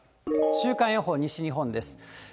週間予報、西日本です。